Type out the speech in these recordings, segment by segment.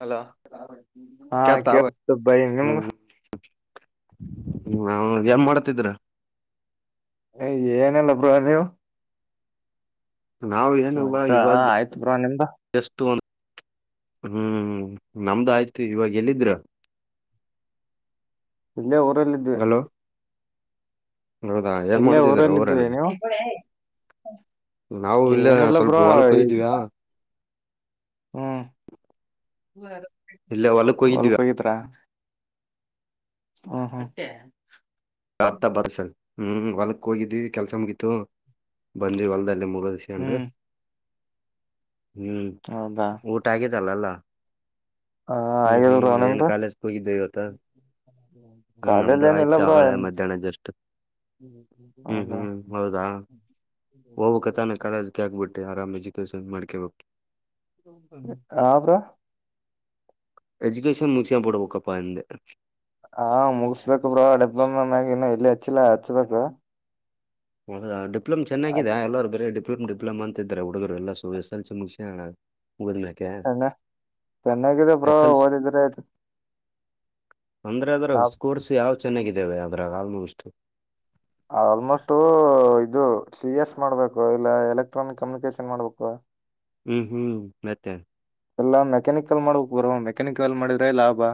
Hello ಹಾ ಕೆತ್ತಾವ ಕತ್ತು ಭೈ ನಿಮಗ ಹ್ಮ ನ್ ಮಾಡತಿದ್ರ ಏನಲ್ಲ ಬ್ರಹ ನೀವು ನಾವವು ಏನವ ಊಟ ಇವಾಗ ಆಯ್ತು ಬ್ರೋ ನಿಮ್ದು ಎಷ್ಟು ಹ್ಮ್ ನಮ್ದ ಆಯ್ತು ಇವಾಗ ಎಲ್ಲಿದ್ರ [inaudible] ಇಲೇ ಊರಲ್ಲ ಇದೆ ಹಲೋ ಹೌದಾ ಏನ್ ಮಾಡತಿದೀರ ಊರಲ್ಲಿದ್ವಿ ಅವಊರೆಲ್ ನೀವು ನಾವು ಇಲ್ಲ ಏನಿಲ್ಲ ಸ್ವಲ್ಪ ಬ್ರೋ ಹೊಲ್ಕ್ ಹೋಗಿದ್ವೆ ಹ್ಮ್ ಇಲ್ಲೇ ಹೊಲಕ್ ಹೊಲ್ಕ್ ಹೋಗಿದ್ವಿ ಹೋಗಿದ್ರಾ ಹ್ಮ್ ಹ್ಮ ಆತ ಬರ್ಸಲ್ ಹ್ಮ್ ಹೊಲಕ್ಕ ಹೋಗಿದ್ವಿ ಕೆಲ್ಸ ಮುಗಿತ್ತುು ಬಂದವಿ ಹೊಲದಲ್ಲ ಮುಗ ಸಂಡ ಹ್ಮ್ ಹ್ಮ್ ಹೌದಾ ಊಟ ಆಗಿದಲ್ಲಲ್ಲ ಹ ಹ್ಮ್ ಹಾಗದ ಬ್ರೋ ಹ್ಮ್ ಎನ ನಿಮ್ದು ಕಾಲೇಜ್ ಹೋಗಿದ್ದೆ ಇವತ್ತು ಹ್ಮ್ ಕಾಲೇಜ್ ನಮ್ದು ಏನಿಲ್ಲ ಆಯ್ತು ಬ್ರೋ ಆಳ ಮಧ್ಯಾಹ್ನದಷ್ಟು ಹೌದಾ ಬಟ್ಟೆ ಆರಾಮ ಎಜುಕೇಶನ್ ಮಾಡ್ಕೇ ಬೇಕು ಹ ಬ್ರೋ ಎಜುಕೇಷನ್ ಮುಗಿಸಿಕೊಂಡು ಬಿಡಬೇಕಪ ಅಂದೆ ಹಾ ಮುಗಸ್ಬೇಕ ಬ್ರೋ ಡಬ್ಬೊಮ್ಮ ಮ್ಯಗನ್ನು ಎಲ್ಲಿ ಹಚ್ಚಿಲ್ಲ ಹಚ್ಬೇಕ ಹೌದಾ ಡಿಪ್ಲೋಮ್ ಚೆನ್ನಾಗಾಗಿದೆ ಎಲ್ಲರು ಬೇರೆ ಡಿಪ್ಲೋಮೋ ಡಿಪ್ಲೋಮ ಅಂತ ಇದಾರೆ ಹುಡುಗರು ಎಲ್ಲ ಎಸ್ ಎಲ್ ಸಿ ಮುಗ ಹ ಚೆನ್ನಾಗಾಗಿದೆ ಬ್ರೋ ಎಸ್ ಎಲ್ ಸಿ ಓದಿದ್ರೆ ಆಯ್ತು ಅಂದ್ರೆ ಅದ್ರ ಹಾ ಸ್ಕೋರ್ಸ್ ಯಾವ್ ಚೆನ್ನಾಗಿದ್ದೇಾವ ಅದ್ರಾಗ ಆಲ್ಮೋಸ್ಟ್ ಆಲ್ಮೋಸ್ಟು ಇದು ಸಿ ಎಸ್ ಮಾಡ್ಬೇಕು ಇಲ್ಲ ಎಲೆಕ್ಟ್ರಾನಿಕ್ ಕಮ್ಯುನಿಕೇಶನ್ ಮಾಡ್ಬೇಕು ಹ್ಮ್ ಹ್ಮ್ ಮತ್ತೆ ಎಲ್ಲಾ ಮೆಕ್ಯಾನಿಕಲ್ ಮಾಡಬೇಕಕ್ ಬರುವ ಮೆಕ್ಯಾನಿಕಲ್ ಮಾಡಿದ್ರೆ ಲಾಭ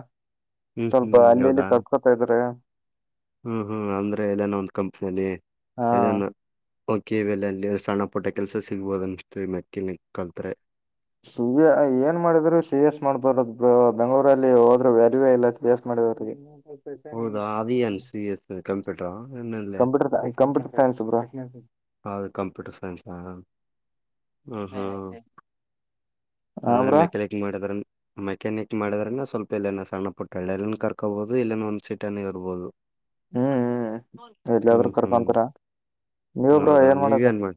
ಹ್ಮ್ ಹ್ಮ್ ಸ್ವಲ್ಪ ಅಲ್ಲಿ ಇಲ್ಲಿ ಹೌದಾ ಕರ್ಕೊತ ಇದ್ರೆ ಹ್ಮ್ ಹ್ಮ್ ಅಂದ್ರೆ ಇದದನ ಒಂದು ಕಂಪ್ನಲಿ ಹಾ ದನ ಓಕೆ ಇವೆಲ್ಲ ಅಲ್ಲಿ ಸಣ್ಣ ಪುಟ್ಟ ಕೆಲ್ಸ ಸಿಗ್ಬೋದ ಅನ್ಸವಿ ಮೆಕ್ಯನಿಕ್ ಕಲ್ತ್ ಸಿ ಏನ್ ಮಾಡಿದ್ರು ಸಿ ಎಸ್ ಮಾಡ್ಬಾರ ಬೆಂಗ್ರಲ್ಲಿ ಹೋದ್ರರು ವ್ಯರಿವೇ ಇಲ್ಲ ಸಿ ಎಸ್ ಮಾಡ [unintelligible] ಹೌದಾ ಅಅನ್ಸ ಎಸ್ ಕಂಪ್ಯೂಟರ್ ಏನಲ್ಲಿ ಕಂಪ್ಯೂಟರ್ ಕಂಪ್ಯೂಟರ್ ಸೈನ್ಸ್ ಬ್ರಾ ಹೌದು ಕಂಪ್ಯೂಟರ್ ಸೈನ್ಸ್ ಹ್ಮ ಹ್ಮ್ ಹಾ ಅಂದ್ರ ಬ್ರೋ ಮೆಕ್ಯಾನಿಕ್ ಮಾಡದ್ರ ಮೆಕ್ಯಾನಿಕ್ ಮಾಡಿದ್ರನ ಸ್ವಲ್ಪ ಎಲ್ಲನ ಸಣ್ಣ ಪುಟ್ಟಳ್ಳ ಎಲ್ಲನ್ ಕರ್ಕೊಬಹುದು ಇಲ್ಲಂದ ಒಂದ್ ಸೀಟನ ಇರ್ಬೋದು ಹ್ಮ್ ಹ್ಮ್ ಎಲ್ಲಯಾದ್ರೂ ಹ್ಮ್ ಹ್ಮ್ ಕರ್ಕೊಂತರ ಹೌದಾ ನೀವ ಏನ್ ಮಾಡ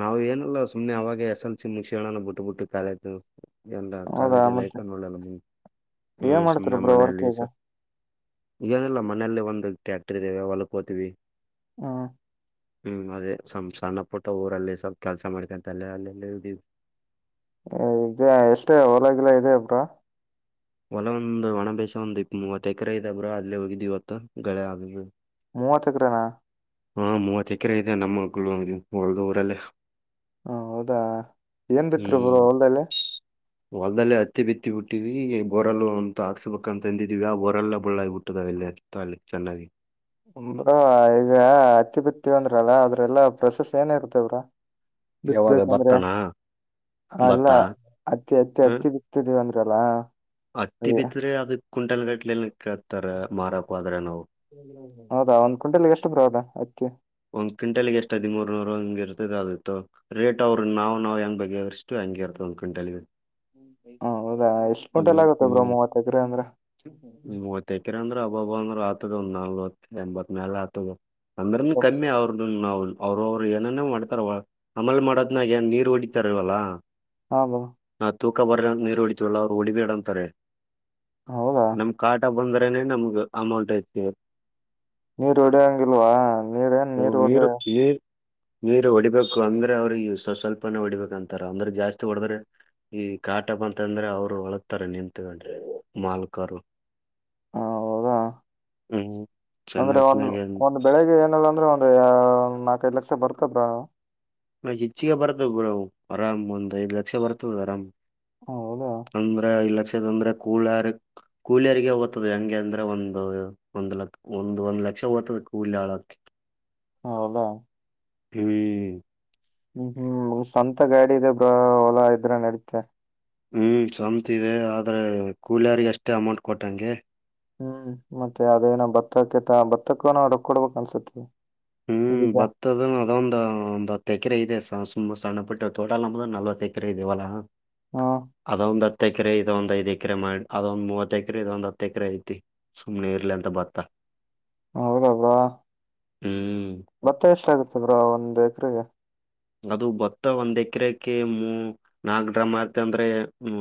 ನಾವ್ ಏನು ಸುಮ್ನೆ ಅವಾಗ ಎಸ್ ಎಲ್ ಸಿ ಮುಕ್ಷ ಬಿಟ್ಟು ಬಿಟ್ಟು ಕಾಲೇಜು ಏಲ್ಲ ಹೌದಾ ಕಾಲೇಜ್ ಲೈಫ ಮತ್ತೆ ನೋಡಲ್ಲ ಮು ಹ್ಮ ಏನ್ ಮಾಡ್ತಾರ ಸುಮ್ಮ್ನೆಮ್ಮ ಬ್ರೋ ವರ್ಕ್ ಮನೆಯಲ್ಲಿ ಈಗ ಸರ್ ಈನಿಲ್ಲ ಮನೆಯಲ್ಲಿ ಒಂದು ಟ್ಯಾಕ್ಟರ್ ಇದ್ದೇವೆ ಹೊಲ್ಕತೀವಿ ಹಾ ಹ್ಮ್ ಅದೇ ಸಣ್ಣ ಪುಟ್ಟ ಊರಲ್ಲಿ ಸ್ವಲ್ಪ ಕೆಲ್ಸ ಮಾಡ್ಕೊಂತಲ್ಲ ಅಲ್ಲೆಲ್ಲ ಇ್ದವಿ ಎಷ್ಟೇ ಹೊಲಾಗಿಲ್ಲ ಇದೆ ಒಬ್ರ ಹೊಲ ಒಂದು ಒಣ ಬೇಸ ಒಂದ್ ಇಪ್ಪ ಮೂವತ್ ಎಕರೆ ಇದ ಬ್ರ ಅಲ್ಲೇ ಹೋಗಿದು ಇವತ್ತು ಗಳೆ ಆ ಮೂವ ತಕರಣ ಹಾ ಮೂವತ್ ಎಕರೆ ಇದೆ ನಮ್ಮ ಮಳ ಒಳ್ದ ಊರಲ್ಲೇ ಹ ಹೌದಾ ಏನ್ ಬಿತ್ರು ಗುರುಹೊಲ್ದಲ್ಲ ಹೊಲ್ದಲ್ಲ ಹತ್ತಿ ಬಿತ್ತಿ ಬಿಟ್ಟಿವಿ ಬೋರಲ್ಲ ಒಂತ ಹಾಕ್ಸ್ಬೇಕಂತ ಅಂದಿದೀವಿ ಯಾವ ಬೋರೆಲ್ಲ ಬಳ್ಳ ಬಿುಟ್ಟದಾವಲ್ಲ ಅಲ್ಲಿ ಚನ್ನಾಗಿ ಈಗ ಅತಿಪತ್ತಿ ಅಂದ್ರಲ್ಲ ಅದ್ರೆಲ್ಲಾ ಪ್ರಶಸ್ತಿ ಏನ ಇರ್ತೇವ್ರಾ ಯಾವಾಗ ಬಿತ್ಬೇಕಂದ್ರೆ ಭತ್ತನಾ ಅಲ್ಲ ಭತ್ತ ಅತ್ತಿ ಅತ್ತಿ ಹ್ಮ್ ಅತ್ತಿ ಬಿತ್ತದೆ ಅಂದ ಲ್ಲಾ ಹತ್ತಿ ಬಿದ್ರೆ ಅದ ಕುಂಟಲ್ ಗಟ್ಲೆ ಕಳ್ತಾರ ಮಾರಕ್ ಆದ್ರೆ ನಾವು ಹೌದಾ ಒಂದ್ ಕುಂಲ್ಗೆ ಎಷ್ಟು ಬರೋದಾ ಅಕ್ಕಿ ಒಂದ್ಂಟಲ್ ಎಷ್ಟ ಹದಿರ್ ನೂರು ಹಂಗಿರುತ್ತೆ ಅತ್ತು ರೇಟ್ ಅವರು ನಾ ನವು ಹೆಂಗ ಬಗ್ಗೆ ಇಷ್ಟು ಹಂಗೆ ಇರ್ತ ಒಂದು ಕ್ವಿಂಟಲ್ ಹೌದಾ ಎಷ್ಟು ಗುಂಟೆಲ್ ಆಗುತ್ತ ಬ್ರ ಹ್ಮ್ ಮೂವತ್ತ ಎಕ್ರ ಅಂದ್ರ ಅಬ್ಬಂದರು ಆತದ ಒಂದು ನಾಲ್ವತ್ತು ಎಂಬತ್ ಮೇಲೆ ಆತ ಕಮ್ಮಿ ಅವ್ರದದು ನಾವ ಅವ್ರವ್ರು ಏನನ ಮಾಡ್ತಾರ ಹಮಲ್ ಮಾಡೋದ್ನಾಗ ಏನ್ ನೀರು ಹೊಡಿತಾರಲ್ವಲ್ಲ ಹಾ ಬಾ ತೂಕ ಬರ ನೀರು ಉಳಿತವಲ್ಲ ಅವರು ಉಳಬಡಂತಾರೆ ಹೌದಾ ನಮ ಕಾಟ ಬಂದ್ರ ಅನೇ ನಮಗೆ ಅಮೌಂಟ್ ಅಯತ ನೀರ್ ಹೊಡ್ಯಂಗಿಲ್ವಾ ನೀರೇನ್ ನೀರ್ ಒಡ ನೀರ್ ಹೊಡಿಬೇಕು ಅಂದ್ರೆ ಅವ್ರ ಸ್ ಸ್ವಲ್ಪನ ಹೊಡಿಬೇಕ ಅಂತಾರ ಅಂದ್ರ ಜಾಸ್ತಿ ಹೊಡದ್ರೆ ಈ ಕಾಟಪ್ ಅಂತಂದ್ರೆ ಅವ್ರು ಹೊಳತಾರೆ ನಿತ್ಕೊಂಡ್ರೆ ಮಾಲ್ಕರು ಹ ಹೌದಾ ಹ್ಮ್ ಅಂದ್ರೆ ಒಂದ್ ಚನ್ನತಿನಗರ ಒಂದ್ ಬೆಳಿಗ್ಗೆ ಅಂದ್ರೆ ಒಂದು ಒ ನಾಲ್ಕದು ಲಕ್ಷ ಬರ್ತಬ್ರಾ ಹ ಹೆಚ್ಚಿಗೆ ಬರತ್ವ ಬಿವು ಆರಾಮ್ ಒಂದ್ ಐದ ಲಕ್ಷ ಬರತ್ವ ಬಿ ಆರಾಮ್ ಹೌದಾ ತೊಂದ್ರೆ ಇಲ್ಲ ಕೂಲರ್ ಕೂಲಿಯರಿಗೆ ಹೋಗದೆ ಹೆಂಗೆ ಅಂದ್ರೆ ಒಂದು ಒಂದ್ ಲ ಒಂದ ಒಂದ್ ಲಕ್ಷ ಅಕ್ಷ ಊತ ವೆಕ್ಕೂಲ್ಲ ಆಳೆ ಹೌಲಾ ಹ್ಮ್ ಹ್ಮ್ ಹ್ಮ್ ಸ್ವಂತ ಗಾಡಿದೆ ಬ ಹೊಲಾ ಇದ್ರ ನಡತ ಹ್ಮ್ ಸಂತ ಇದೆ ಆದ್ರೆ ಕೂಲಿಯಾರಿಗೆ ಅಷ್ಟೇ ಅಮೌಂಟ್ ಕೊಟ್ಟಂಗೆ ಹ್ಮ್ ಮತ್ತೆ ಅದೇನ ಭತ್ತಕತ ಭತ್ತಕ್ಕನ ರಕ್ ಕೊಡ್ಬೇಕಕ್ ಅನ್ಸತ್ತ ಹ್ಮ್ ಬತ್ತದ ಅದೊಂದು ಒಂದ್ ಹತ್ತೆಕ್ರೆ ಇದೆ [unintelligible] ತುಂಬಾ ಸಣ್ಣ ಪುಟ್ಟ ತೋಟಲ್ ನಮದು ನಲ್ವತ್ತ ಎಕರೆ ಇದೆ ಹೊಲ ಹಾ ಅದ ಒಂದ ಹತ್ ತ್ತ ಎಕರೆ ಇದ ಒಂದ್ ಐದ ಎಕರೆ ಮಾಡಿ ಅದೊಂದ ಮೂವತ್ತ ಎಕರೆ ಇದೊಂದ್ ಹತ್ತ ಎಕರೆ ಐತಿ ಸುಮ್ನೆ ಇರ್ಲಿ ಅಂತ ಬತ್ತಾ. ಹೌದಾ ಬ್ರೋ ಹ್ಮ್ ಬತ್ತ ಎಷ್ಟ ಆಗುತ್ತ ಬ್ರೋ ಒಂದ್ ಎಕ್ರೆಗೆ. ಅದು ಬತ್ತ ಒಂದ್ ಎಕರೆಕ್ಕೆ ಮೂ ನಾಕ್ ಡ್ರಮ ಆತ ಅಂದ್ರೆ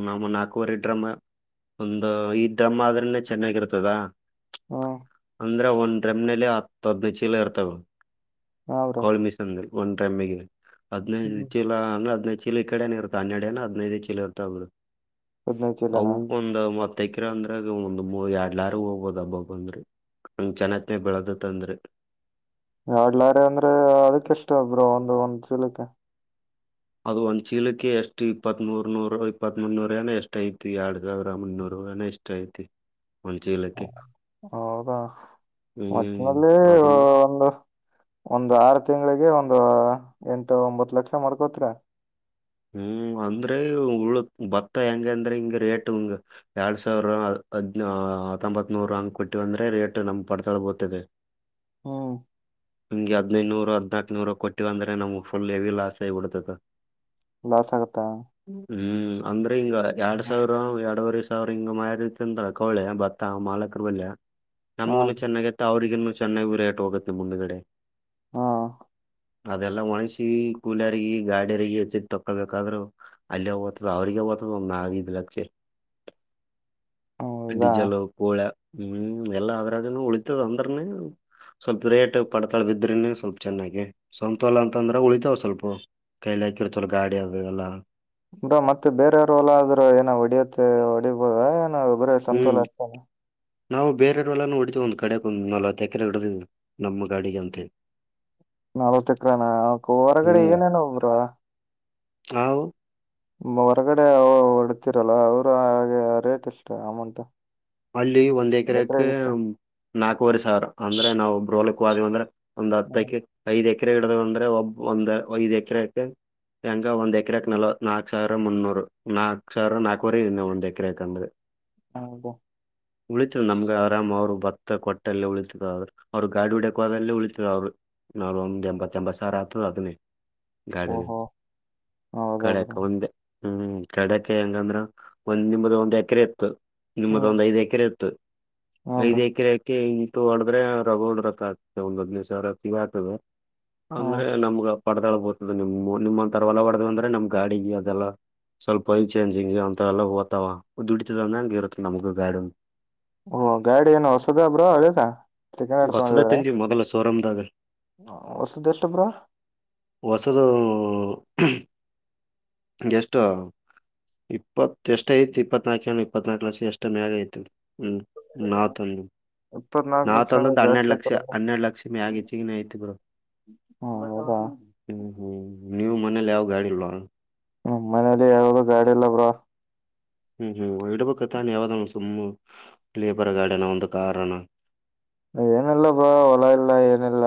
ನಮ್ಮ ನಾಕುವರೆ. ಡ್ರಮ್ಮ ಒಂದು ಈ ಡ್ರಮ್ಮ ಆದ್ರನೆ ಚೆನ್ನಾಗಿರ್ತದಾ. ಹಾ ಅಂದ್ರೆ ಒಂದ್ ಡ್ರಮ್ನಲಿ ಹತ್ತ ಹದ್ನ ಚೀಲ ಇರ್ತವ. ಹಾ ಬ್ರೋ ಕ್ವಾಲ್ಮಿ ಸಂದಲ್ ಒನ್ ಟೈಮಿಗಿದೆ. ಹದಿನೈದು ಹ್ಮ್ ಚೀಲ ಅಂದ್ರೆ ಹದಿನೈದ ಚೀಲ ಈಕಡೆೇನೆ ಇರುತ್ತ ಹನ್ನೆಡೇನ ಹದಿನೈದೆ ಚೀಲ ಇರ್ತವ ಬ್ರೋ ಹದ್ನೈದು ಚೀಲನಾ ಅವುಕೊಂದ ಮತ್ತ. ಹತ್ತೇಕ್ರೆ ಅಂದ್ರಾಗ ಒಂದ್ ಮೂ ಯಾಡ್ಲಾರಿ ಹೋಗಬೋದ ಅಬ್ಬಬ್ಬಾ ಅಂದ್ರೆ. ಹಂಗ್ ಚೆನ್ನತ್ನೇ ಬೆಳದತ್ಂದ್ರೆ. ಎಡ್ಲಾರಿ ಅಂದ್ರೆ ಅದಕ ಎಸ್ಟ್ ಬ್ರೋ ಒಂದು ಒಂದ್ ಚೀಲಕ್ಕೆ. ಅದು ಒಂದ್ ಚೀಲಕ್ಕೆ ಎಷ್ಟು ಇಪ್ಪತ್ತಮೂರ್ ನೂರು ಇಪ್ಪತ್ ಮುನ್ನೂರ ಏನ ಎಷ್ಟ ಐತಿ ಎರಡ್ ಸಾವಿರ ಮುನ್ನೂರು. ಹೋಗನ ಇಷ್ಟ ಐತಿ. ಒಂದು ಚೀಲಕ್ಕೆ ಹೌದಾ ಹ್ಮ್ ಒಟ್ನಲ್ಲಿ ಅದನ್ನ ಒಂದು. ಒಂದ್ ಆರು ತಿಂಗಳಿಗೆ ಒಂದು ಎಂಟು ಒಂಬತ್ತ ಲಕ್ಷ ಮಾಡ್ಕೋತಿರ. ಹ್ಮ್ ಅಂದ್ರೆ ಉಳ ಭತ್ತ ಹೆಂಗ ಅಂದ್ರೆ ಹಿಂಗ ರೇಟ್ ಹಂಗ ಎರಡ್ ಸಾವಿರ ಹದ್ನ ಹತ್ತೊಂಬತ್ ನೂರು ಹಂಕ ಕೊಟ್ಟಿವ ಅಂದ್ರೆ ರೇಟ್ ನಮ್ಗ್ ಪಡ್ತಾಳ ಬೀಳ್ತಿದೆ. ಹ್ಮ ನಿಮ್ಗೆ ಹದ್ನೈನೂರು ಹದ್ನಾಕ ನೂರ ಕೊಟ್ಟಿವ ಅಂದ್ರೆ ನಮ್ಗೆ ಫುಲ್ ಹೆವಿ ಲಾಸ್ ಆಗಿಬಿಡ್ತೈತ. ಲಾಸ ಆಗುತ್ತ. ಹ್ಮ್ ಅಂದ್ರೆ ಹಿಂಗ ಯಾಡ್ ಸಾವಿರ ಯಾಡುವರೆ ಸಾ ಅವ್ರಿಂಗ ಮ [unintelligible] ಕವಳೆ ಭತ್ತ ಮಾಲಕರ ಬಲ್ಲೇ ನಮಗನೂ ಚೆನ್ನಾಗಿತ್ತ ಅವ್ರ ನಿಮ್ಮು ಚೆನ್ನಾಗೂ ರೇಟ್ ಹೋಗುತ್ತೆ ಮುಂದಗಡೆ. ಹಾ ಅದೆಲ್ಲ ಒಣಸಿ ಕೂಲ್ಯಾರಿಗಿ ಗಾಡಿಯರಿಗಿ ಹಚ್ಚಿ ತಕ್ಕೋಬೇಕಾದ್ರು ಅಲ್ಲೇ ಹೋತದ ಅವ್ರಿಗೆ ಹೊತದ ಒಂದ್ ನಾ ಐದ ಲಕ್ಷೆ. ಹೌದಾ ಡೀಜೆಲು ಕೋಳೆ ಹ್ಮ್ ಎಲ್ಲಾ ಅದ್ರಾಗನು ಉಳಿತದ ಅಂದ್ರನೆೇ. ಸ್ವಲ್ಪ ರೇಟ್ ಪಡ್ತಾಳ ಬಿದ್ರನ ಸ್ವಲ್ಪ ಚೆನ್ನಾಗಿ ಸಂತೋಲ ಅಂತ ಅಂದ್ರ ಉಳಿತಾವ್ ಸ್ವಲ್ಪ ಕೈಲಿ ಹಾಕಿರತ ಛಲೋ ಗಾಡಿ ಅದು ಎಲ್ಲಾ. ಬ್ರೋ ಮತ್ತೆ ಬೇರೆಯವರ ಹೊಲ ಆದ್ರೂ ಏನ ಹೊಡಿಯತ್ತೆ ಹೊಡಿಬೋದ ನಾವು ಬರೆ ಹ್ಮ್ ಸಂತೊಲ ನಾವು ಬೇರೆಯವ್ರ ಹೊಲನು ಹೊಡಿತೀವಿ ಒಂದ್ ಕಡೆ ಒಂದ್ ನಲವತ್ತ ಎಕರೆ ಹೊಡದೀವಿ ನಮ್ಮ ಗಾಡಿಗೆ ಅಂತೆ ನಾಲ್ವತ್ತೇಕ್ರೆನಾ [unintelligible] ಹೊರಗಡೆ ಏನೇನ ಬ್ರೋ. ಆವು ಹೊರಗಡೆ ಹೊರಡ್ತಿರಲ್ಲ ಅವರು ಹಾಗೆ ರೇಟ್ ಎಷ್ಟ ಅಮೌಂಟ್. ಅಲ್ಲಿ ಒಂದ್ ಎಕರೆಕ್ ಎಕರೆಗೆ ಎಷ್ಟು ನಾಕುವರೆ ಸಾವಿರ ಅಂದ್ರೆ ನಾವು ಒಬ್ರ ಹೊಲಕ್ ಹ್ವಾದೇವ್ ಅಂದ್ರ. ಒಂದ್ ಹತ್ತಕ್ಕೆ ಐದ್ ಎಕರೆ ಹಿಡದೇವ ಅಂದ್ರೆ ಒಬ್ಬ ಒಂದ್ ಐದ್ ಎಕರೆಕ. ಹೆಂಗ ಒಂದ್ ಎಕರೆಕ್ ನಲ್ವ ನಾಕ ಸಾವಿರ ಮುನ್ನೂರು ನಾಕ್ ಸಾವಿರ ನಾಕುವರೆ ಇ [unintelligible] ಒಂದ್ ಎಕರೆಕ್ ಅಂದ್ರೆ ಹದ [unintelligible] ಉಳಿತಿದ ನಮ್ಗ ಆರಾಮ್ ಅವ್ರು ಭತ್ತ ಕೊಟ್ಟಲ್ಲಿ ಉಳಿತದ ಆದ್ರ ಅವ್ರು ಗಾಡಿ ಹೋಡ್ಯಕ ಹೋದಲ್ಲಿ ಉಳಿತದ ಅವ್ರು. ಮ್ಯಾಲ್ ಒಂದ್ ಎಂಬತ್ತ ಎಂಬತ್ತ ಸಾವಿರ ಆತದ ಅದನೇ. ಗಾಡಿದು ಓಹೋ ಹೌದಾ ಕಡ್ಯಕ ಬ್ರೋ ಒಂದೆ. ಹ್ಮ್ ಕಡೇಕ್ಕೆ ಹೆಂಗಂದ್ರ ಒಂದ್ ನಿಮ್ದ ಒಂದ್ ಎಕರೆ ಇತ್ತು ನಿಮ್ಮದ ಹ್ಮ್ ಒಂದ್ ಐದ ಎಕರೆ ಇತ್ತು. ಹಾ ಐದ ಬ್ರೋ ಎಕರೆಕೇ ಇ ಹೊಡದ್ರೆ ರಗೋಡ್ ರೊಕ್ಕಾ ಆತವ ಒಂದ್ ಹದನೈದ ಸಾವಿರ ಆಗ್ತದ ಹ್ಮ್ ಅಂದ್ರೆ ನಮ್ಗ. ಪಡ್ತಾಳ ಬೀಳ್ತದ ನಿಮ ನಿಮ್ಮಂಥವರ ಹೊಲ ಹೊಡದೇವ್ ಅಂದ್ರೆ ನಿಮ್ ಗಾಡಿಗೆ ಅದೆಲ್ಲ. ಸ್ವಲ್ಪ ಆಯಿಲ ಚೇಂಜಿಂಗ್ ಅಂತ ಎಲ್ಲಾ ಓತವ. ದುಡಿತದಂದಂಗ ಇರುತ್ತೆ ನಮಗ ಗಾಡ ಓ ಗಾಡಿ ಏನು ಹೊಸದಬ್ರೋ, ಅಳಿದಾ ಸೆಕೆಂಡ್ ಹ್ಯಾಂಡ್ ತೋಗಂಡಿದಿರಾ. ಸೋರುಮದಾಗ ಬ್ರೋ ಹೊಸದು. ಹ [unintelligible] ಎಷ್ಟು, ಇಪ್ಪತ್ ಎಷ್ಟ್ ಐತಿ ಇಪ್ಪತ್ನಾಕು ಏನ ಇಪ್ಪತೆಂಟಕ ಲಕ್ಷ. ಎಷ್ಟ ಮ್ಯಾಗ ಆಯ್ತು. ಹ್ಮ್, ನಾ ತಂದ ಇಪ್ಪತ್ನಾಲ್ಕು ನಾವ್ ಲಕ್ಷ ಅಂದ್ರೆ ತಂದದ್ದು ಹನ್ನೆರಡು ಜಾಸ್ತಿ ಲಕ್ಷ. ಆಯ್ತಲ್ಲ ಹನ್ನೆರಡು ಲಕ್ಷ ಮ್ಯಾಗೆ ಹೆಚ್ಚಿಗಿನಯತಿ ಬಿಡು. ಹಾ ಹೌದಾ [inaudible] ಹ್ಮ್ ನೀವು ಮನೇಲಿ ಯಾವ ಗಾಡಿಲ್ಲ್ವ, ಹ್ಮ, ಮನೇಲಿ ಯಾವುದು ಗಾಡಿಲ್ಲಬ್ರೋ, ಹ್ಮ್, ಹ್ಮ್ ಇಡ್ಬೇಕ ತಾನೇ ಯಾವ್ದಾನ ಸುಮ್ಮ್ ಲೇಬರ್ ಗಾಡನ ಒಂದು ಕಾರನ. ಏನಿಲ್ಲ ಬ್ರೋ ಹೊಲ ಇಲ್ಲ ಏನಿಲ್ಲ.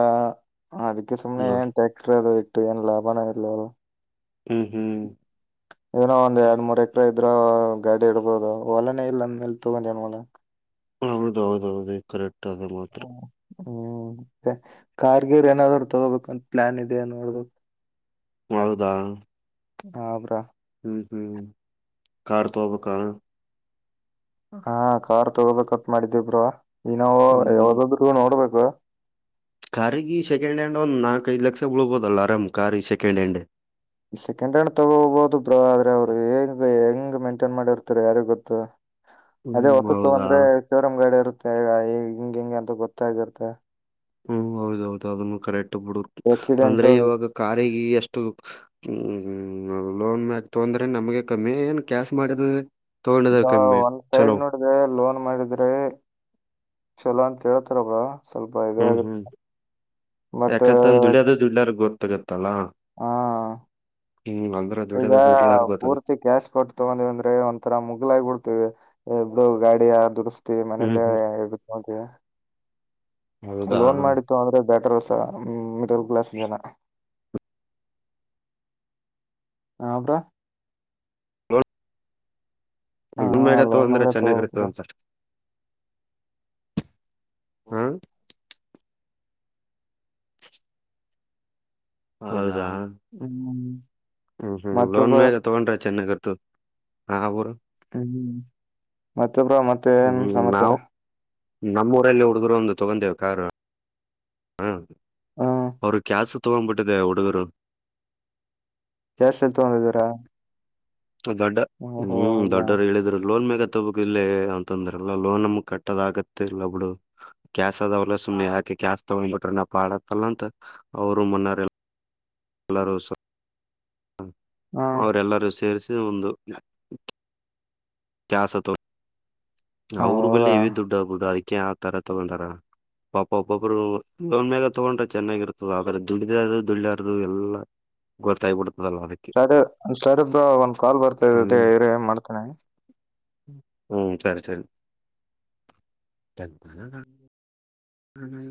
ಅದಕ್ಕೆ ಸುಮ್ನೆ ಇವ್- ಏನ್ ಟ್ಯಾಕ್ಟರ್ ಅದು ಇ ಏನ್ ಲಾಭಾನೇ ಇಲ್ಲ. ಹ್ಮ್ ಹ್ಮ್ [inaudible] ಏನೋ ಒಂದ್ ಎರಡ ಮೂರ ಎಕ್ರೆ ಇದ್ರ ಗಾಡಿ ಇಡ್ಬೋದು. ಒಲನೇ ಇಲ್ಲಂದ ಮೇಲೆ ತಗೊಂಡ ಎನ್ ಮಾಢನ. ಹೌದ, ಹೌದೌದು ಕರೆಕ್ಟ್ ಆದ ಮಾತ್ ಹ್ಮ್, ಮತ್ತೆ ಕಾರ್ಗಿರ್ ಏನಾದ್ರು ತಗೋಬೇಕಂತ ಪ್ಲಾನ್ ಇದೆಯ ನೋಡ್ಬೇಕು. ಹೌದಾ! ಹಾ, ಬ್ರೊ ಹ್ಮ, ಹ್ಮ ಕಾರ ತೊಗಬೇಕಾ, ಹಾ, ಕಾರ್ ತಗೋಬೇಕ ಅಂತ ಮಾಡಿದಿವಿ ಬ್ರೋ ಇನೋವಾ ಹ್ಮ್ ಯಾವ್ದಾದ್ರು ನೋಡ್ಬೇಕ. ವಾ [inaudible] ಕಾರಿಗೆ ಸೆಕೆಂಡ್ ಹ್ಯಾಂಡ್ ಒಂದು ನಾಲ್ಕಕ್ ಐದು ಲಕ್ಷ ಬಿಳ್ಬೋದಲ್ಲ. ಆರಾಮ್ ಕಾರಿಗೆ ಸೆಕೆಂಡ್ ಹ್ಯಾಂಡ್ ಸೆಕೆಂಡ್ ಹ್ಯಾಂಡ್ ತಗೋಬಹುದು ಬ್ರೊ, ಆದ್ರೆ ಅವ್ರು ಹೆಂಗ್- ಹೆಂಗ್ ಮೇಂಟೈನ್ ಮಾಡಿರುತ್ತಾರೆ ಯಾರಿ ಗೊತ್ತು. - ಅದೇ ಹ್ಮ್ ಹೊಸದು ತೋಗ ಹೌದಾ? ಅಂದ್ರೆ ಶೋ ರೂಮ್ ಗಾಡಿ ಇರುತ್ತೆ. ಗ ಈ ಹ [unintelligible] ಹಿಂಗ -ಹಿಂಗೆ ಅಂತ ಗೊತ್ತಾಗಿತ್ತೆ. ಹ್ಮ್, ಹೌದ- ಹೌದು ಅದನ್ನು ಕರೆಕ್ಟ್ ಇ ಬಿಡು. ಆಕ್ಸಿಡೆಂಟ್ ಅಂದ್ರೆ ಇವಾಗ ಕಾರಿಗೆ ಎಷ್ಟು ಹ್ಮ್, ಲೋನ್ ಮ್ಯಾಲ ತಂದ್ರೆ ನಮ್ಗೆ ಕಮ್ಮಿ ಏನ್ ಕ್ಯಾಶ್ ಮಾಡ ಈಗ ಒಂದ್ ಸೈಡ್ ನೋಡಿದ್ರೆಲೋನ್ ಮಾಡಿದ್ರೆ ಚಲೋ ಅಂತ ಹೇಳ್ತಾರೆ ಬ್ರೊ ಸ್ವಲ್ಪ ಇದೇ, ಹ್ಮ್ ಆಗುತ್ತೆ ಹ್ಮ್ [unintelligible] ಮತ್ತೆ ಯಾಕಂತಂದ ದುಡ್ಯದ ದುಡ್ಲಾರ ಗೊತ್ತಾಗತ್ತಲ್ಲ ಹಾ,, ಹ್ಮ್ ಅಂದ್ರ [unintelligible] ಈಗ ದುಡ್ಲಾರ ಗೊತ್ತಾಗತ್ತ ಪೂರ್ತಿ ಕ್ಯಾಶ್ ಕೊಟ್ಟ ತಗೊಂಡಿವಿ ಅಂದ್ರೆ ಒಂತರ ಮುಗಲಾಗಿಬಿಡ್ತವಿ. ಇಬ್ ಗಾಡಿ ಹ್ಮ್ ದುಡಸ್ತಿವಿಮನೇಲ್ಲೇ ಹ್ಮ್ ಹೌದಾ ಲೋನ್ ಮಾಡಿತ್ತೊಗಂದ್ರ ಅಂದ್ರೆ ಬೆಟರ್, ಮಿಡಲ್ ಕ್ಲಾಸ್ ಜನ ಹಾ, ಬ್ರೋ ಹ ಉಣ ಮ್ಯಾಗ ಲೋನ್ ತಗಂದ್ರೆ ಮೇಲೆ ಚೆನ್ನಾಗಿ ತಗೋಬೇಕು ಇರ್ತದ ಬ್ರೋ ಒಸರ್ [unintelligible] ಹಾ [inaudible] ಹೌದಾ, ಹ್ಮ್ ಹ್ಮ್, ಹ್ಮ್ ಮತ್ತೆ ಲೋನ್ ಬ್ರೋ ಮೇಲೆ ತಗೊಂಡ್ರೆ ಚೆನ್ನಾಗಿರುತ್ತೆ. ಹಾ, ಬ್ರೋ ಹ್ಮ್, ಮತ್ತೊಬ್ರೋ ಮತ್ತೆ ಏನ್ ಸಮಾಚಾರ. ನಮ್ಮ್ಊರಲ್ಲಿ ಹುಡುಗರು ಒಂದು ತೊಗಂಡೇವೆ ಕಾರ್ ಹಾ, ಹ್ಮ ಅವರು ಕ್ಯಾಸ ತಗೊಂಡ್ಬಿಟ್ಟಿದೆೆ ಹುಡುಗರು. ತೊಂದಿದರಾ [unintelligible] ದೊಡ್ಡ ಹ್ಮ್, ದೊಡ್ಡವರು ಹೇಳಿದ್ರ ಲೋಲ್ ಮೇಲೆ ಲ್ಲೇ ಅಂತಂದ್ರಲ್ಲ ಲೋನ್ ನಮಗ್ ಕಟ್ಟದ ಆಗತ್ತೆ ಇಲ್ಲಬಿಡು ಕ್ಯಾಸ್ ಅದವಲ್ಲ. ಸುಮ್ಮನೆ ಯಾಕೆ ಕ್ಯಾಸ್ ತಗೊಂಡ್ ಬಿಟ್ರೆ ನಾ ಪಾಡತ್ತಲ್ಲ ಅಂತ ಅವ್ರರು ಮೊನ್ನರೆ ನಲ್ಲ ರೋಸು ಹಾ ಅವರೆಲ್ಲರೂ ಸೇರಿಸಿ ಒಂದು ಕಾಸ ತ ಅವ್ರ ಬಲ್ಲಿ ಹೌದಾ ಇ ದುಡ್ಡ ುಡ್ಡ ಅಡಿಕೆ ಆ ತರ ತಗೊಂಡಾರ ಪಾಪ ಒಬ್ಬೊಬ್ರು ಇ ಒನ್ ಮ್ಯಾಗ ತೊಗೊಂಡ್ರೆ ಚೆನ್ನಾಗಿರ್ತದ ಆದ್ರೆ ದುಡಿದರು ದುಡಿಯಾರದು ಎಲ್ಲಾ ಗೊತ್ತಾಯ್ಬಡ್ೆ ಸರ್ ಬ್ರೋ ಒಂದ ಕಾಲ್ ಬರ್ತಾ ಹ್ಮ್ ಏನ್ ಮಾಡ್ತಾನ ಹ್ಮ್ ಸರಿ ಸರಿ ಹ್ಮ [unintelligible]